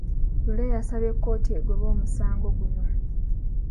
Lure yasabye kkooti egobe omusango guno.